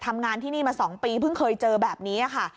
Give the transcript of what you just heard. ทำงานที่นี่มา๒ปีเพิ่งเคยเจอแบบนี้ค่ะ